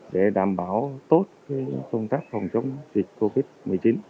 để đảm bảo tốt công tác phòng chống dịch covid một mươi chín